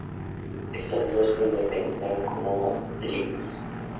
Estas dos se independizaron como tribus.